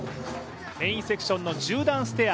メインセクションの１０段ステア。